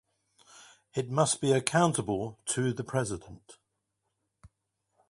It must be accountable to the President.